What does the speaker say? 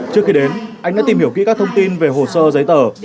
trước khi đến anh đã tìm hiểu kỹ các thông tin về hồ sơ giấy tờ